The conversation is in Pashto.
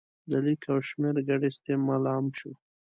د لیک او شمېر ګډ استعمال عام شو.